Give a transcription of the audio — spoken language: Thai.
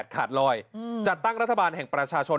ขาดลอยจัดตั้งรัฐบาลแห่งประชาชน